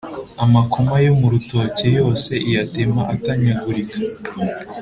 amakoma yo mu rutoke yose iyatema atanyagurika;